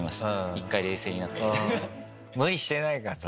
一回冷静になって。